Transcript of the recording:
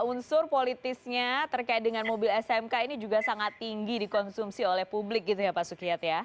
unsur politisnya terkait dengan mobil smk ini juga sangat tinggi dikonsumsi oleh publik gitu ya pak sukiyat ya